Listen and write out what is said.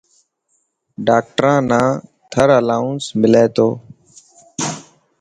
ڊاڪٽران نا ٿر الاونس ملي تو.